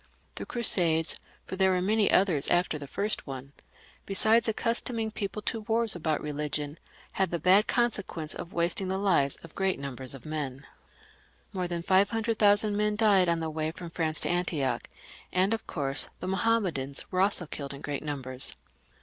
The Crusades, for there were many others after the first one, besides accustoming people to wars about reli gion, had the bad consequence of wasting the lives of great numbers of men. I have said that more than five hundred thousand men died on the way from France to Antioch, and of course the Mahommedans were killed also in great numbers.